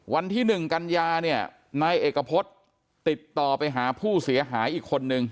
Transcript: วันที่๑กันยาเนี่ยนายเอกพฤษติดต่อไปหาผู้เสียหายอีกคนนึง